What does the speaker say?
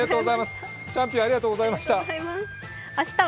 チャンピオン、ありがとうございました。